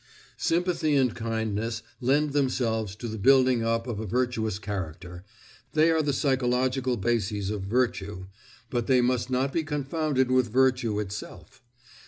Sympathy and kindness lend themselves to the building up of a virtuous character, they are the psychological bases of virtue, but they must not be confounded with virtue itself.